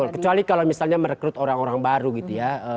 kecuali kalau misalnya merekrut orang orang baru gitu ya